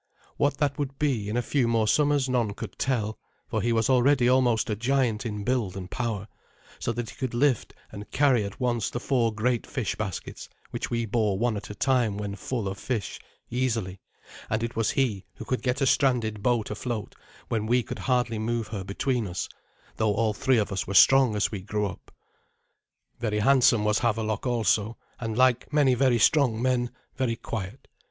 What that would be in a few more summers none could tell, for he was already almost a giant in build and power, so that he could lift and carry at once the four great fish baskets, which we bore one at a time when full of fish, easily, and it was he who could get a stranded boat afloat when we could hardly move her between us, though all three of us were strong as we grew up. Very handsome was Havelok also, and, like many very strong men, very quiet.